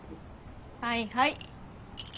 はいはい。